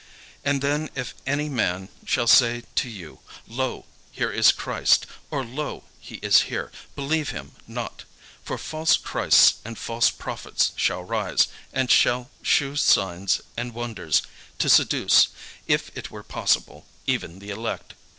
And then if any man shall say to you, 'Lo, here is Christ;' or, 'lo, he is there;' believe him not: for false Christs and false prophets shall rise, and shall shew signs and wonders, to seduce, if it were possible, even the elect.